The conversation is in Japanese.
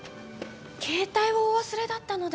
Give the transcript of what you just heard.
携帯をお忘れだったので。